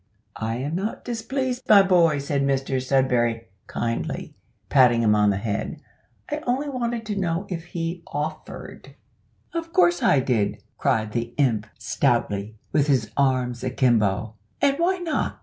"I'm not displeased, my boy," said Mr Sudberry, kindly, patting him on the head; "I only wanted to know if he offered." "Of course I did," cried the imp, stoutly, with his arms akimbo "and why not?